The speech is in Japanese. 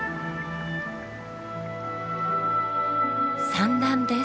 産卵です。